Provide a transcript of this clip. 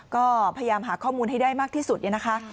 ก็พยายามหาข้อมูลให้ได้มากที่สุดเนี่ยนะคะ